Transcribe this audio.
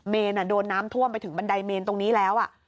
โดนน้ำท่วมไปถึงบันไดเมนตรงนี้แล้ว